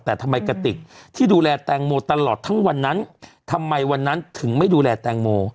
แต่ทำไมกติกที่ดูแลแตงโมตลอดทั้งวันนั้นทำไมวันนั้นถึงไม่ดูแลแตงโม